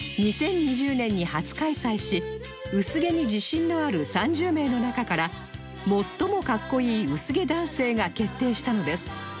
２０２０年に初開催し薄毛に自信のある３０名の中から最もかっこいい薄毛男性が決定したのです